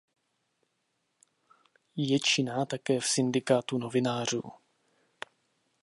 Je činná také v Syndikátu novinářů.